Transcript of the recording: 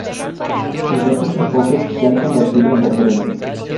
Sus datos y enfoques se han convertido en referencias.